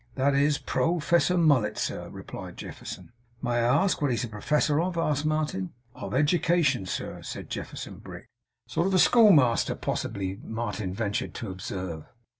'That is Pro fessor Mullit, sir,' replied Jefferson. 'May I ask what he is professor of?' asked Martin. 'Of education, sir,' said Jefferson Brick. 'A sort of schoolmaster, possibly?' Martin ventured to observe.